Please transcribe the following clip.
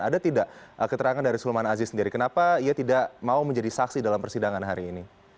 ada tidak keterangan dari sulman aziz sendiri kenapa ia tidak mau menjadi saksi dalam persidangan hari ini